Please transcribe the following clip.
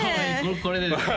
これでですか？